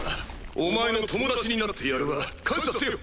お前の友達になってやるわ。感謝せよ！